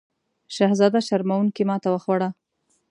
شهزاده شرموونکې ماته وخوړه.